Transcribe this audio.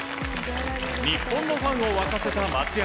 日本のファンを沸かせた松山。